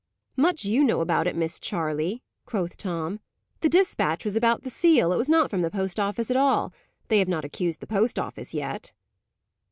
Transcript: "Much you know about it, Miss Charley!" quoth Tom. "The despatch was about the seal: it was not from the post office at all. They have not accused the post office yet."